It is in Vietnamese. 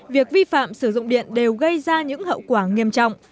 việc vi phạm sử dụng điện đều gây ra những hậu quả nghiêm trọng